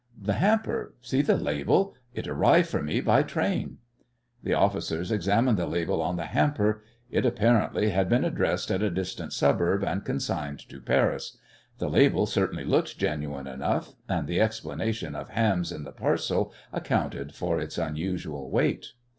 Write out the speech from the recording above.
The hamper see the label. It arrived for me by train." The officers examined the label on the hamper. It apparently had been addressed at a distant suburb and consigned to Paris. The label certainly looked genuine enough, and the explanation of hams in the parcel accounted for its unusual weight.